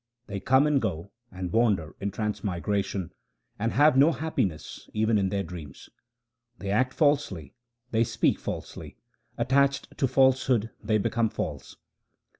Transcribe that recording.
They come and go and wander in transmigration, and have no happiness even in their dreams. They act falsely ; they speak falsely ; attached to false hood they become false.